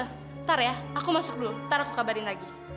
ntar ya aku masuk dulu ntar aku kabarin lagi